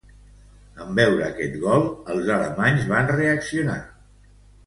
En vore aquest gol, els alemanys van reaccionar.